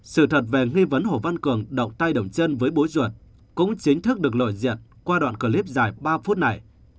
sự thật về nghi vấn hồ văn cường động tay động chân với bối ruột cũng chính thức được lội diện qua đoạn clip dài ba phút này